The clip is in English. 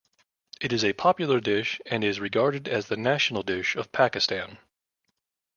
It is a popular dish and is regarded as the national dish of Pakistan.